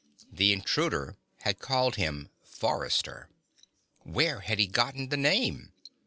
The intruder had called him Forrester. Where had he gotten the name?